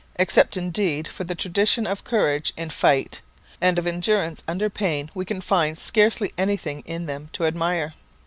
Except, indeed, for the tradition of courage in fight and of endurance under pain we can find scarcely anything in them to admire.